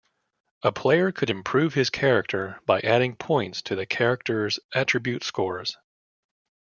A player could improve his character by adding points to the character's attribute scores.